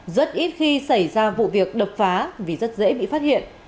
rất ít khi xảy ra vụ việc đập phá vì rất dễ bị phát hiện